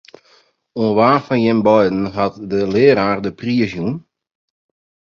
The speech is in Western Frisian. Oan wa fan jim beiden hat de learaar de priis jûn?